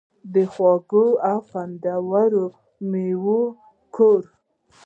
د خوږو او خوندورو میوو کور.